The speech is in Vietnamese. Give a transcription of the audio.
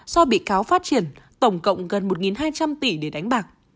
do bị cáo phát triển tổng cộng gần một hai trăm linh tỷ để đánh bạc